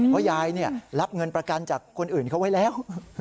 เพราะยายรับเงินประกันจากคนอื่นเขาไว้แล้ว